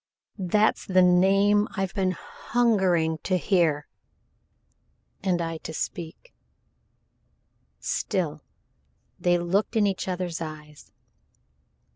"That's the name I've been hungering to hear " "And I to speak " Still they looked in each other's eyes.